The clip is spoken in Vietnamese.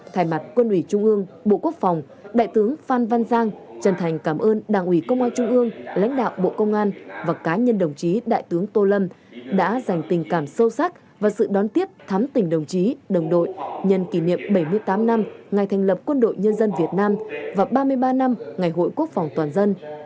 tại mặt quân ủy trung ương bộ quốc phòng đại tướng phan văn giang chân thành cảm ơn đảng ủy công an trung ương lãnh đạo bộ công an và cá nhân đồng chí đại tướng tô lâm đã dành tình cảm sâu sắc và sự đón tiếc thắm tình đồng chí đồng đội nhân kỷ niệm bảy mươi tám năm ngày thành lập quân đội nhân dân việt nam và ba mươi ba năm ngày hội quốc phòng toàn dân